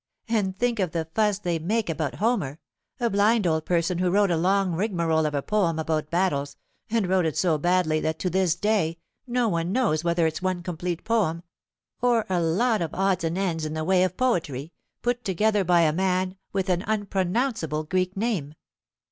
And think of the fuss they make about Homer, a blind old person who wrote a long rigmarole of a poem about battles, and wrote it so badly that to this day no one knows whether it's one complete poem, or a lot of odds and ends in the way of poetry, put together by a man with an unpronounceable Greek name.